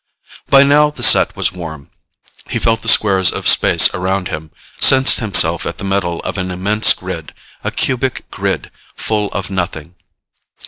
By now the set was warm. He felt the squares of space around him, sensed himself at the middle of an immense grid, a cubic grid, full of nothing.